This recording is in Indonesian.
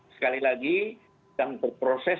sekali lagi akan berproses